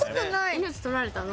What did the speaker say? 命取られたの？